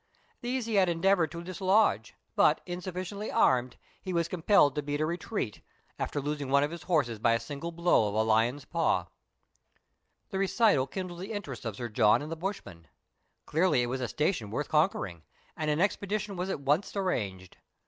These he had endeavoured to dislodge, but, insufficiently armed, he was compelled to beat a retreat, after losing one of his horses by a single blow of a lion's paw. The recital kindled the interest of Sir John and the bush THREE ENGLISHMEN AND THREE RUSSIANS. 1 09 —■——— man. Clearly it was a station worth conquering, and an expedition was at once arranged.